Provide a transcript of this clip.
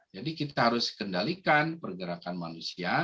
jadi kita harus kendalikan pergerakan manusia